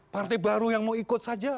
partai baru yang mau ikut saja